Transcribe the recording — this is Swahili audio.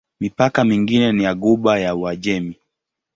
Mipaka mingine ni ya Ghuba ya Uajemi.